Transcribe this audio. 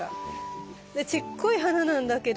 でちっこい花なんだけどさ。